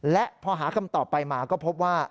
และพอหาคำตอบไปมาก็พบว่า